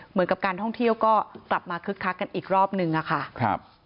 เหมือนกับการท่องเที่ยวก็กลับมาคึกคักกันอีกรอบนึงอะค่ะครับ